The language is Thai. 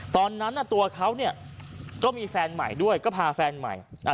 ตอนนั้นตัวเขาก็มีแฟนใหม่ด้วยก็พาแฟนใหม่